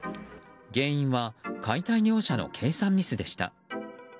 原因は解体業者の計算ミスでした。